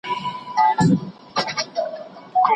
ټولنه که ناسمه غذا ورکړي، اخلاق خرابېږي.